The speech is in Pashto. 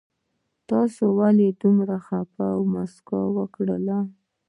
تاسو ولې دومره خفه يي مسکا وکړئ